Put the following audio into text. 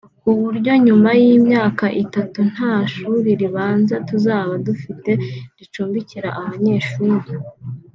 ku buryo nyuma y’imyaka itatu nta shuri ribanza tuzaba dufite ricumbikira abanyeshuri